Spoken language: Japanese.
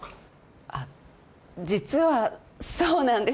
あっ実はそうなんです。